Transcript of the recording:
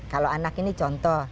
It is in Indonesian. kalau anak ini contoh